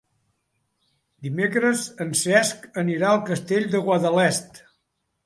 Dimecres en Cesc anirà al Castell de Guadalest.